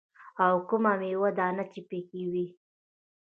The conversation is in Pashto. او کومه ميوه دانه چې پکښې وي.